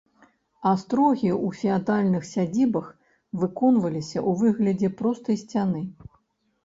Астрогі ў феадальных сядзібах выконваліся ў выглядзе простай сцяны.